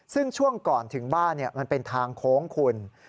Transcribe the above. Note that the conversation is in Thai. ซึ่งช่วงก่อนถึงบ้านมันเป็นทางโค้งคุณ